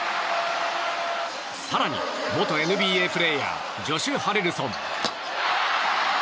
更に元ＮＢＡプレーヤージョシュ・ハレルソン！